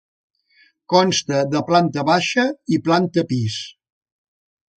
Consta de planta baixa i planta pis.